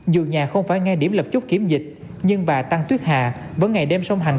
dù nhà không phải nghe điểm lập chốt kiểm dịch nhưng bà tăng tuyết hà vẫn ngày đêm song hành